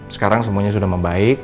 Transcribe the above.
sekarang semuanya sudah membaik